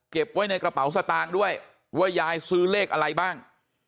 ไว้ในกระเป๋าสตางค์ด้วยว่ายายซื้อเลขอะไรบ้าง